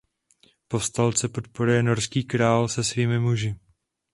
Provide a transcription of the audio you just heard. Povstalce podporuje norský král se svými muži.